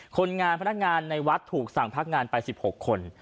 คนงานพนักงานในวัดถูกสั่งพักงานไป๑๖คน